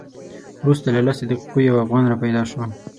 وروسته له لسو دقیقو یو افغان را پیدا شو.